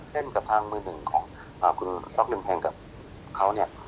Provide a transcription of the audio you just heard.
เล่นกับทางมือหนึ่งของอ่าคุณซ็อกเล่นแพงกับเขาเนี่ย